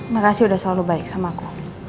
makasih udah selalu baik sama aku